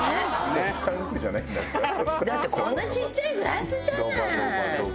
だってこんなちっちゃいグラスじゃない。